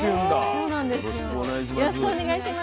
そうなんです。